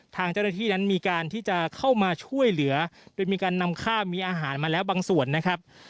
ทางเจ้าหน้าที่นั้นมีการที่จะเข้ามาช่วยเหลือโดยมีการนำข้าวมีอาหารมาแล้วบางส่วนนะครับ